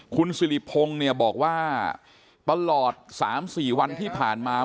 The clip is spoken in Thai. คุณสิริพงศ์เนี่ยบอกว่าตลอด๓๔วันที่ผ่านมา